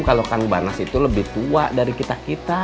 kalau kang banas itu lebih tua dari kita kita